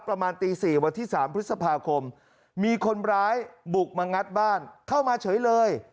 ประมาณตี๔วันที่๓พฤษภาคมมีคนร้ายบุกมางัดบ้านเข้ามาเฉยเลย